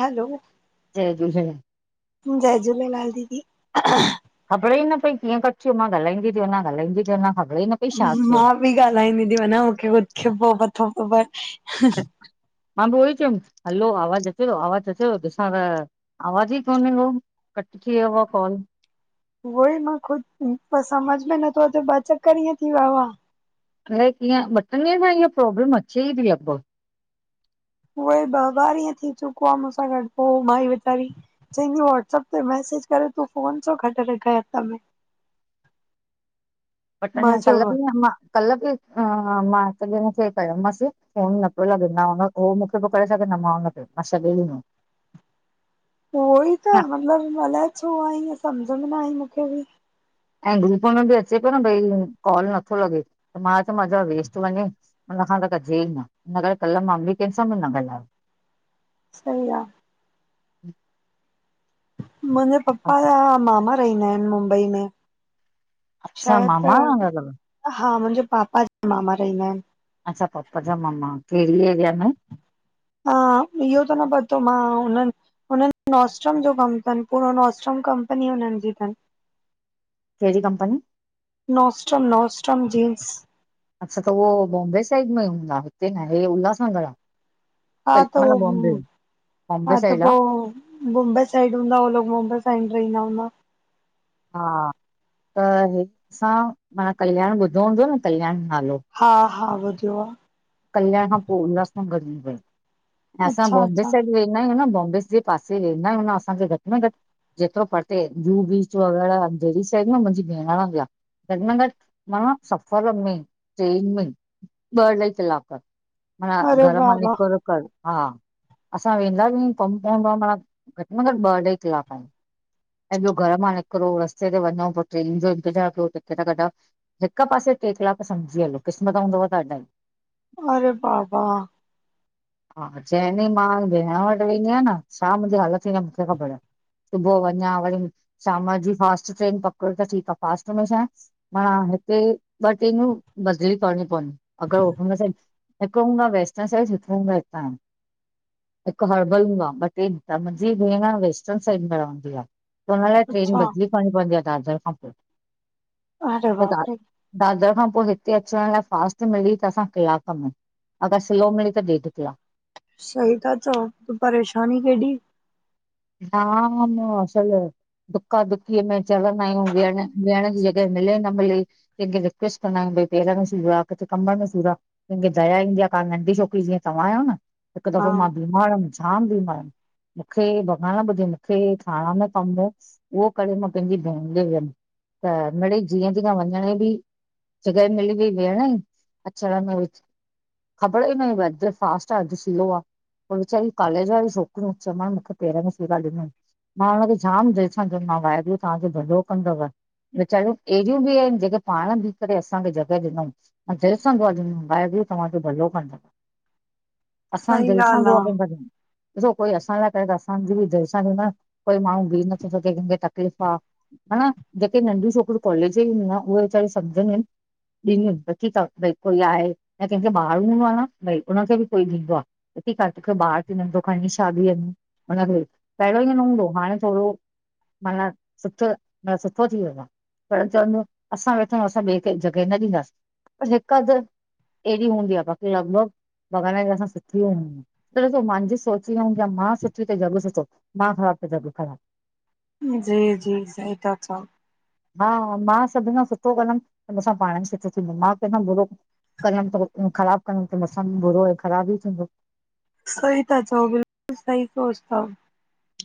हलो, जय झूलेलाल। जय झूलेलाल दीदी। ख़बर ई न पई कीअं कट थी वयो मां ॻाल्हाईंदी ती वञां ॻालाईंदी वञां ख़बर ई न पई छा थियो। मां बि ॻाल्हाईंदी थी वञां मूंखे उ पो पतो थो पवे। मां बि उहो ई चयुम हलो आवाज़ अचे थो आवाज़ अचे थो ॾिसां त? आवाज़ ई कोने को, कट थी वयो आ कॉल। उहो ई मां ख़ुद समझ में नथो अचे ॿ चक्कर ईअं थी वियो आ। अलाए कीअं ॿ टिन ॾींहन खां इह प्रोब्लम अचे ई थी लॻभॻ। उहोई ॿ बार ईऐं थी चुको आहे मूसां गॾु, पोइ माई वेचारी चयईं वॉट्सअप ते मसेज कर तूं, फोन छो कटे रखई अध में। मां पटन चयो कल बि [unintelligible] कल्ह बि हा-हा मां साबिन खे कयो मांस। फ़ोन न पियो लॻे, तां मां मूंखे ॿियो करे सघे। न मां हुन खे, मां छॾे ॾींदोम। उहो ई त, मतिलब अलाए छो आ ईअं समझ में न आई मूंखे बि। ऐं ग्रुप में बि अचे पियो न भई कॉल नथो लॻे त मां चयो मथा वेस्ट वञे। हुननखां त कजे ई न हिनन करे कल्ह मां बि कंहिं सां बि न ॻाल्हायो। सई आ। मुंहिंजे पपा या मामा रहिंदा आहिन मुंबई में। अच्छा शायद त मामा वांदा अथव हा मुंहिंजे पापा ज मामा रहिन्दा आहिन। अच्छा पपा जा मम्मा कहड़ी एरिया में? हा इहो त न पतो मां हुनन। हुनन नॉस्ट्रम जो कम तन पूरो नॉस्ट्रम कंपनी हुनन जी थन। कहिड़ी कंपनी? Nostrum Nostrum jeans. अच्छा त उहो बॉम्बे साइड में हूंदा, हिते नाहे उल्हासनगर आ। हा त उव बॉम्बे हा त साइड आहे पो। मुंबई साइड हूंदा उह लोग मुंबई साइड रहिंदा हूंदा। हा, त हितसां मा कल्याण ॿुधो हूंदो न कल्याण नालो। हा हा बुध्यो आ। कल्याण खां पो उल्हास नगर इंदो आ ऐ असां अच्छा बॉम्बे अच्छा साइड। वेंदा आहियूं न बॉम्बे जे पासे वेंदा आहियूं न असांखे घट में घट। जेतरो परते जूहू बीच वग़ैरह जहिड़ी साइड न मुंहिंजी भेण रहंदी आ। घट में घट मानो सफ़र में ट्रेन में ॿ अढ़ाई कलाक। पडा अरे घर वाह मा नीकुर कर। हा असां वेंदा बि कम पवंदो आ माना घट् मे घट् ॿ अढाई कलाक आहिन। एं ब्यो घर मां निकरो रस्ते ते वञऊ पो ट्रेन जो इंतज़ार कयो टिकट कड़ा। हिक पासे ट्रे कीलाक सम्झी हलो क़िस्मत हूंदव त अढ़ाई। अरे बाबा। [inaudible] हा जे डींह मां बेहण वट वेंदीयां न छा मुंहिंजी हालत थींदी आ मूंखे ख़बर सुबुह अज्। या वरी शाम जी फास्ट ट्रेन पकड़ त ठीका फास्ट में छा। हाना हिते ॿ टेन्यू बदली करणी पवंन अगर हुनसां। हिक हूंदो वेस्टर्न साइड सुठो हूंदो हितां। हिक हर्बल हूंदो आ ॿ टे मुंहिंजी भे वेस्टर्न साइड में रहंदी आ। त हुन लाइ ट्रेन अच्छा बदली करणी पवंदी आ दादर खां पोइ, अरे पो बाप दाद। रे दादर खां पो हिते अचण लाइ फास्ट मिली त असां कलाक में। अगर स्लो मिली त ॾेड किलाक। सही ता चओ परेशानी केॾी। हा, ममो हसल ए। दुका दुकीअ में चढ़ंदा आहियूं वेहण वेहण जी जॻह मिले न मिले। जे के रिक्वेस्ट कंदा आहियूं भई पहर में सूर आ कथे कंबर में सूर आ। कहिंखे द जया ईंदी आहे, का नंढी छोकिरी जीअं तव्हां आहियो न। हिकु हा दफ़ो मां बीमार हुयम् जाम बीमार हुयम् मूंखे। हा ॿुधे मूंखे खाण कम हो उहो करे मां पंहिंजी भेण जे वियम। त मिड़े जीअं जीअं वञण बि। जॻह मिली हुई भेण अचण में। ख़बर हिन वेद फास्ट आहे अज स्लो आ। पो वीचारी कॉलेज वारूं छोकिरियूं चमा मूंखे पेर में सूर आ ॾिनयूं। मां हुनखे जाम दिल सां चंयोमांव वाहेगुरू तांजो जो भलो कंदव। विचारूं एहिड़ियूं बि आहिन, जेके पाण बीह करे असांखे जॻह ॾिनऊ। जे असां अॼु मबाइब तव्हांजो भलो कंद। असां सही दिलि सां ॻाल्हि दुआ आ। कंदासि, ॾिसो कोई असां ल करे त अ सा दिल ॾीदा, कोई माण्हू भी नथो सघे कंहिंखे तकलीफ़ आ। हन जेके नंढियूं छोकिरियूं कॉलेज जू हुअन उवे वेचारू सम्झंदियूं आहिनि। ॾींदीनि त ठीकु आहे भई कोई आहे या कंहिंखे ॿार हूंदो आहे न भई हुनखे बि कोई ॾींदो आ। त ठीकु आहे तोखे ॿार थी नंढो, खणी छा ॿी वञि। हुनखे, पहिरियों ईअं न हूंदो हाणे थोणो माना, सुठो मा सुठो थी वियो आ। पेरे चवंद हो असां वेठा आहियूं असां ॿिए खे जॻहि न ॾींदासीं, पर जे का अधि एहिड़ी हूंदी आहे, बाक़ी लॻभॻ भॻवान जी दया सां सुठियी हून। त ॾिसो मुंहिंजी सोच इया हूंदी आ, मां सुठी त ज़ॻ सुठो, मां ख़राबु त ज़ॻ ख़राबु। जी-जी, सही ता चओ। हा, मां सभिन खां सुठो कंदमि त मूंसां पाण बि सुठो थींदो, मां कंहिंखां बुरो कंदम त ख़राब कंदम त मूंसां भी बुरो ऐं ख़राबु ई थींदो। सही था चओ, बिल्कुलु सही सोच तव।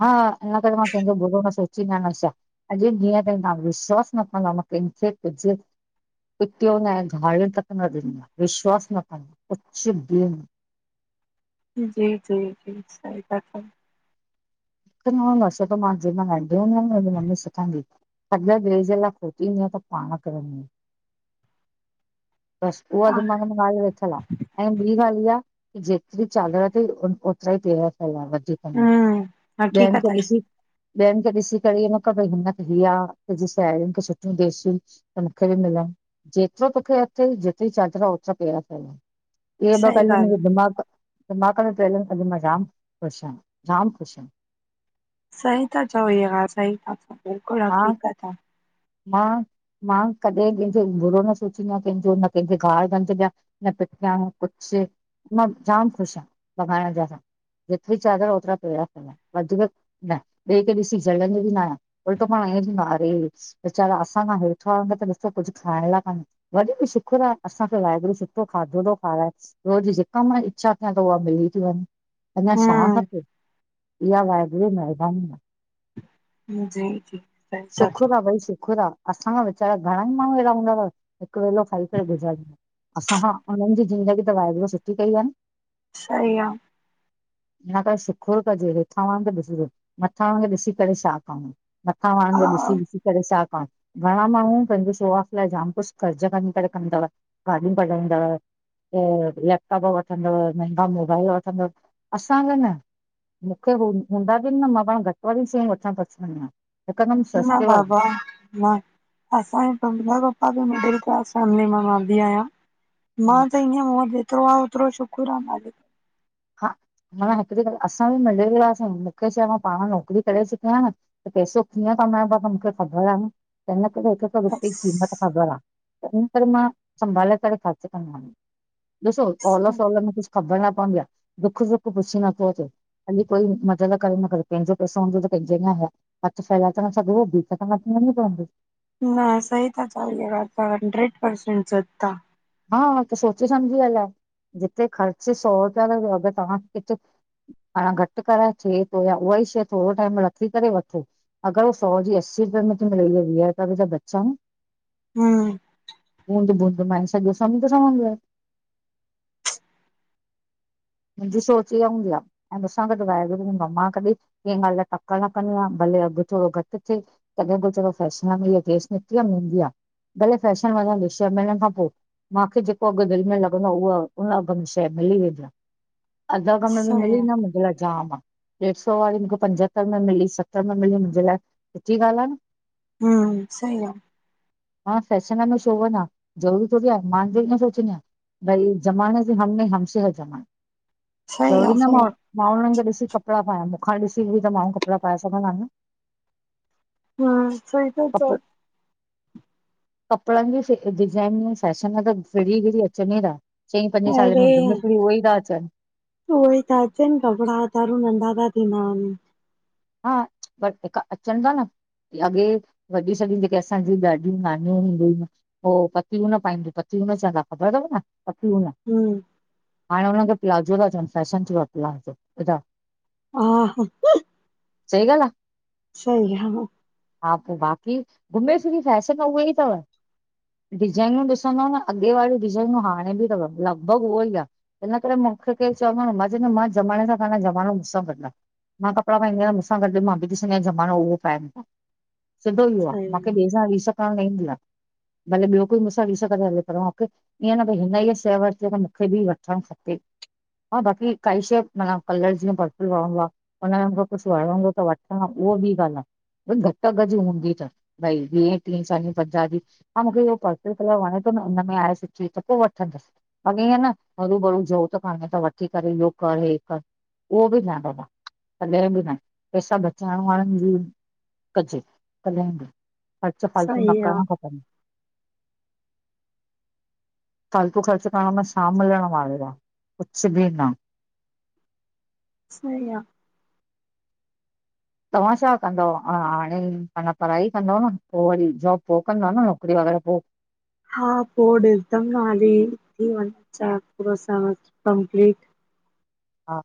हा, इन करे मां कंहिंजो बुरो न सोचींदी आया, न शा। अॼु ॾींहं ताईं, तव्हां विश्वासु न कंदव मां कंहिंखे कुझु पिटयो न आहे, ॻारी तक न ॾिनी आ विश्वास न कंदव। कुछ भी न जी जी जी सही था चओ। मूंखे न इंदो आ सब, मांं जेमल मां नंढी हूंदीमि न मुंहिंजी मम्मी सिखारयईं। खॾो ॿे जे लाइ खोॾिदिय त पाण किरदीय। बस उहा दिमाग मे ॻाल्हि वेठल आ। ऐं ॿी ॻाल्हि इहा की जेतिरी चादर अथई ओतिरा ई पैर फैलाये वधीक न। हम्म ॿियनि हक़ीक़त खे आहे ॾिसी ॿियनि खे ॾिसी करे ईअं न कर, भई हिन त ही आ तुजि साहेड़ियुनि खे सुठियूं ॾेसू त मूंखे बि मिलण, जेतिरो तोखे अथई, जेतिरी चादर ओतिरा पैर‌ फैलाये। इहे ॿ सही ॻाल्हू ॻाल्हि आ मुंहिंजे दिमाग़ दिमाग़ में पियल आहिनि मां जाम ख़ुशि आहियि, जाम ख़ुशि आ। सही त चओ इ सही त बिल्कुलु हा हक़ीक़त आ। मां, मां कॾहिं कंहिंजो बुरो न सोचींदी आहियां, कंहिंजो न कंहिंजे ॻार गंद ॾिया न पिटां कुझु, मां जाम ख़ुशि आहियां भॻवान जी दया सा। जेतिरी चादर, ओतिरा पैर फैलायो। वधीक न, ॿिए के ॾिसी जलंदी ॿि न आहिया। उल्टो पाण ईअं थिदो आ अरे हे ॾि वेचारा असांखां हेठि वारनि खे त ॾिस कुझु खाइण लाइ कानहे। वरी बि शुकुर आहे, असांखे वाहेगुरु सुठो खाधो थो खाराए। रोज़ जेका मां इच्छा कयां त उहा मिली थी वञे। अञा छा हम्म खपे, इहा वाहेगुरु जी महिरबानी आ। जी जी। था शुखुर चओ आ भाई, शुखुर आ। असांखा वेचारा घणा ई माण्हू अहिड़ा हूंदव, हिकु वेलो खाई करे गुज़ारिन असां खां, उन्हनि जी ज़िंदगी त वाहेगुरु सुठी कई आ न। सही आ। इन करे शुकुल कजे हेठां वारे खे ॾिसजे, मथां वार खे ॾिसी करे छा खाऊ? आ वाणू जो हा ॾिसी-ॾिसी करे छा काड़, घणा माण्हू पंहिंजे सुवास लाइ जाम कुझु कर्ज़ खड़ी करे कंदव गाॾु कढाईदव लैपटॉप वठंदव, मेहगा मोबाइल वठंदव, असांखे न मूंखे हूंदा बि न, मां पाण घटि वारियूं शयूं वठणु पसंद कंदी आहियां। हिकदमि न सस्ते वारी बाबा न असांजे [unintelligible] बि मिडिल क्लास फैमिली में रहंदी आहियां। मां त ईअं मूं जेतिरो आ, ओतिरो शुक्र आ मालिक! हा न हिकिड़ी ॻाल्हि, असां बि मिडिल क्लास आहियूं, मूंखे छा आहे, मां पाण नौकरी करे चुकी आहियां न। त पैसो कीअं कमायबो आ, त मूंखे ख़बर आ न, त इन करे हिक हिक रुपए जी क़ीमत बसि ख़बर आ, त इन करे मां संभाले करे ख़र्च कंदम। ॾिसो ओल सोल में कुझु ख़बर न पवंदी आ, दुख सुख पुछी नथो अचे हाली कोई मदद करे न करे, पंहिंजो पैसो हूंदो त पंहिंजे लाइ हथु फैलाए त न सघबो, भीख त न पिनणी पवंदी। न सही ता चओ, इहा ॻाल्हि त हंड्रेड परसेंट सत आ। हा त सोची समझी हालाए, जिथे ख़र्च सौ रुपया त हुते तव्हांखे किथे हा घटि कराए थिए थो या उहा ई शइ थोरो टाइम रखी करे वठो। अगर हूअ सौ जी अस्सी रुपए में त मिलई, त वीह रुपया बि बचिया न। हम्म बूंद बूंद में सॼो समुंदर ठहंदो आहे। मुंहिंजी सोच ईहा हूंदी आ। ऐं मूंसां गॾु वाहेगुरू हूंदो आ, मां कॾीं कंहिं ॻाल्हि जी तकड़ न कंदी आहियां, भले अघु थोरो घटि थिए तॾहिं पोइ फैशन में इहा ड्रेस निकतीअ में हूंदी आ, भले फैशन वञण ॾे, छह महिननि खां पोइ मांखे जेको अघु दिल में लॻंदो आ, उहा उन अघ में शइ मिली वेंदी आ। अध अघ में बि सही मिली आ न, मुंहिंजे लाइ जाम आ। ॾेढु सौ वारी मूंखे पंजहतरि में मिली, सतरि में मिली, मुंहिंजे लाइ सुठी ॻाल्हि आ न हम्म सही आ। मां फैशन में छो वञां, ज़रूरी थोरई आ मां ईअं सोचंदी आहियां। भई ज़माने से हम है, हमसे है ज़माना सही ज़रूरी आ न म सही आ मां उन्हनि खे ॾिसी कपिड़ा पायां, मूंखां ॾिसी वरी त माण्हू कपिड़ा पाए सघंदा न हम्म, सही ता कप चओ। कपिड़नि जी डिज़ाइन फैशन त फिड़ी गिड़ी अचनि ई था। चईं पंजे साल में घुम फिरी, उहो ई था अचनि उहो ई था अचनि, कपिड़ा [unintelligible] नंढा था थींदा वञनि। हा पर जेका अचनि था न अॻे वॾी सॾियूं जेके असांजी ॾाढी, नानियूं हूंदिय हुयूं हो पतियूं न पाईंदियूं, पतियूं न चवंदा ख़बर तव न पतियूं न हम्म हाणे हुन खे प्लाज़ो ता चवनि फैशन थियो आ, प्लाज़ो ॿुधायो हा हा सही ॻाल्ह आ। सही हा। हा पोइ बाक़ी घुमे फिरी करे, फैशन उहा ई तव डिज़ाइनियूं ॾिसंदव न अॻे वारियूं डिजाइनियूं हाणे बि तव, लॻभॻि उहो ई आ इन करे मूंखे केरु चवंदो, मां चयो मां ज़माने सां कान, ज़मानो मूंसां गॾु आ मां कपिड़ा पाईंदी आहियां मूंसां गॾु मां बि ॾिसंदी आहिंया ज़मानो उहो पाए, सिधो इहो आ, मांखे ॿिए सां रीस करण न ईंदी आ, भले ॿियो कोई मूंसां रीस करे हले पर ईअं न भई, हिन हीअ शइ वरते, त मूंखे बि वठणु खपे हा बाकी काई शइ, माना कलर जीअं परपिल वणंदो आ उन्हमें मुखे कुछु वणंदो त वठंदम उहो बि ॻाल्हि आ ॿु घटि अघ जी हूंदी त भई वीहें, टीहें, चालीहे, पंझा जी हा मुखे इह्यो पर्पल कलर वणें तो न उन्हमें आहे सिची त पो वठंदसि बाक़ी ईहें न हरू भरू ज़रूरत कान्हे त वठी करे इह्यो कर हे कर उहो बि न दादा कॾहिं बि न पैसा बचाइण वारनि जी कजे कॾहिं बि ख़र्च फालतूं सही न आ करणा खपनि। फालतू ख़र्च करण में छा मिलण वारो आ? कुछु बि न। सही आ तव्हां छा कंदव हाणेई, माना पढ़ाई कंदव न पो वरी जॉब पो कंदव न नौकिरी वग़ैरह पो? हा पो ॾिसदमि हाली थी वंञे चार पूरा साल कंप्लीट हा।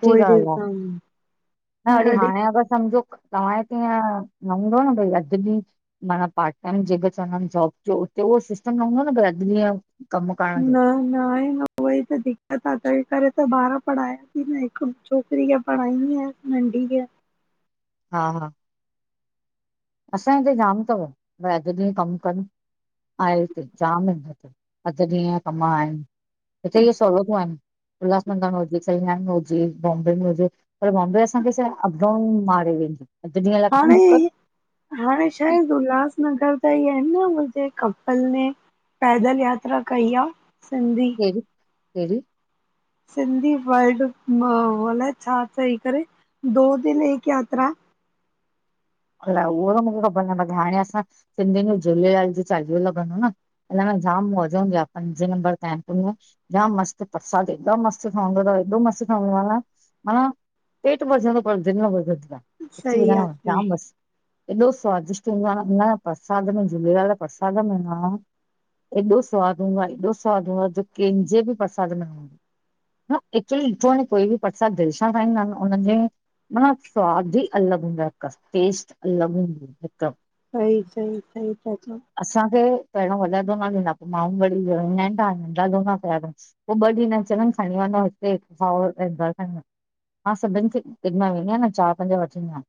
पो ई ॻाल्हि आ, ॾिसदमि हा ड़ी गॾु हाणे अगरि सम्झो तहांजे हिते हीयं न हूंदो न भई अधु ॾीहि च माना पार्ट टाइम जेको चवंदा इनि जॉब जो उते उहो सिस्टम न हूंदो न भई अधु ॾींहं न ना हे न उहोई त दिक्क़त आहे तहिं करे त ॿार पढ़ायां ती न हिकु छोकिरी खे पढ़ाईंदी आहियांस नंढी खे। हा हा। असांजे हिते जाम तव भई अधु ॾींहं कमु कनि आहे हिते जाम हिन हिते। अधु ॾींहं या कम आहिन, हिते इह्ये सहूलतूं आहिनि। उल्हासनगर में हुजे, सीहान में हुजे, बॉम्बे में हुजे। पर बॉम्बे असांखे छा हे अपडाउन मारे वेंदी, अधु ॾींहं लाए कमू हाणे कर हाणे शायदि उल्हासनगर इतेई आहन न हू जें कपल ने पैदल यात्रा कई आ, सिंधी। केड़ी- केड़ी सिंधी वर्ल्ड अलाए छा चई करे, दो दिल एक यात्रा। अलाए उहो त मुखे ख़बर नाहे बाकी हाणें असां सिंधियुनि जो झूलेलाल जो चालीहो लॻंदो न। इन्हमें जाम मौज हुंदी आ, पंजे नंबर तांइ [unintelligible] जाम मस्तु परसाद ऐॾो मस्त ठहंदो तव एॾो मस्तु ठहंदो आ न, माना पेट भरजंदो पर दिल न भरजंदी आ सच्ची सही आ बुधायांव, सही जाम मस्तु। एॾो स्वादिष्ट हुंदो आ, न परसाद में झूलेलाल जे परसाद में न एॾो स्वादु हूंदो आ एॾो स्वादु हूंदो आ जो केंजे बि प्रसाद में न हूंदो आ। न एक्चुली ॾिठो वंञें कोई बि परसाद दिल सां ठाहींदा हिनि उनन्हनि जे माना स्वाद ई अलॻि हूंदो आहे, हिक टेस्ट अलॻि हूंदी हिकदम। सही सही सही ता चओ। असांखे पहिरों वॾा दोना ॾींदा पो माण्हूं वरी व ईंदा आहिनि ता नंढा दोना कया अथनि। पो ॿ ॾींदा इनि चवंदाइनि खणीं वंञों हिते हिकु खाओ और अएं घर खड़ी वनो मां सभिनि खे ॾिदा वेंदा हिन न चारि पंज वठी ईदा हिन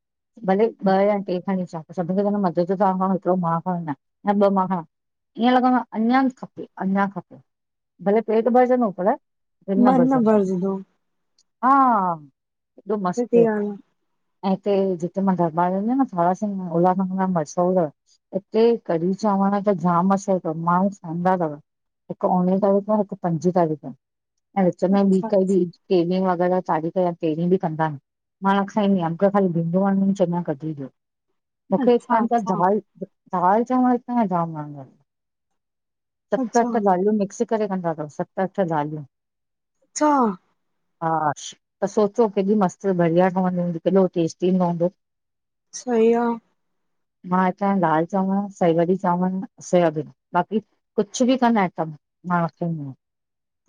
भले ॿ या टे खणी अचा त सभिन खे त मज़ो जो त हिकड़ो मा खड़ी वंञां या ॿ मा खड़ा ईअं लॻंदो आ अंञां खपे, अंञां खपे, भले पेट भरजंदो पर दिल न मन भरजंदी भरजंदो आ हा एॾो मस्तु। सची ॻाल्हि ऐं हिते जिते मां दरबार वेंदी आहियां न, थारा उल्हासनगर में मशहूर आ हिते कढ़ी चांवर त जाम मशहूरु तव, माण्हूं खाईंदा तव। हिकु उणवीह तारीख़ जो आ, हिकु पंजी तारीख़ आ ऐं विच आ में ॿी अच्छा काई बि। केरी वग़ैरह चाढ़ीया केरी बि कंदा आहिन [inaudible] मां [unintelligible] न खाईंदी अमक ख़ाली भीड वण च ॿधी ॾियो, मुखे अच्छा अच्छा [unintelligible] दाल चांवर त जाम वणंदा, सत अच्छा अठ दालियूं मिक्स करे कंदा तव सत अठ दालियूं। अच्छा हा त सोचो केॾी मस्त बढ़िया ठहंदी हूंदी केॾो टेस्टी ईंदो हूंदो। सही आ। मां हितां दाल चांवर, साई भाॼी चांवर, सोयाबीन बाक़ी कुछ बि कंदा सभ मां रखंदी आयां।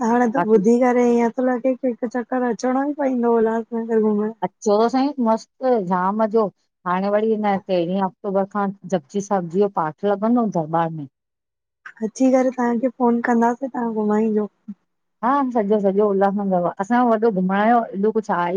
हाणे त ॿुधी करे ईअं थो लॻे की हिकु चक्कर अचणो ई पवंदो उल्हासनगर घुमण। अचो त साईं, मस्त, जाम मज़ो। हाणे वरी हिन तेरहीं अक्टूबर खां जपजी साहिब जी जो पाठु लॻंदो दरबार में। अची करे तव्हांखे फ़ोन कंदासीं तव्हां घुमाइजो। हा सॼो सॼो उल्हासनगर असांयो वॾो घुमण जो एॾो कुझु आहे ई